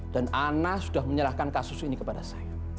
dan ana sudah menyerahkan kasus ini kepada saya